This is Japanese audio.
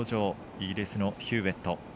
イギリスのヒューウェット。